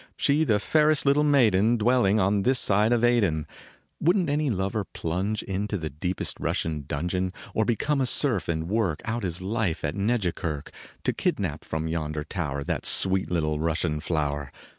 She the fairest little maiden Dwelling on this side of Aiden ; Wouldn t any lover plunge in To the deepest Russian dungeon, Or become a serf and work Out his life at Nedjikerk To kidnap from yonder tower That sweet little Russian flower